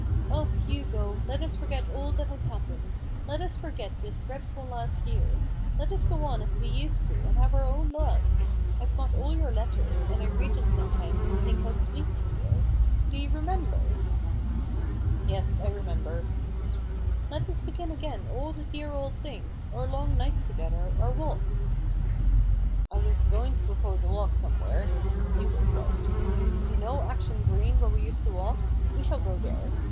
«■" Oh, Hugo, let us forget all that has hap pened. Let us forget this dreadfwl last year. Let us go on as we used to, and have our own love, I've got all your letters, and I read them sometimes and think how sweet you were. Do you remember ?"" Yes ; I remember." " Let us begin again all the dear old things — our long nights together, our walks." hugo raven's hand. 155 " I was going to propose a walk somewhere," Hugo said. " You know Acton Green where we used to walk ; we shall go there.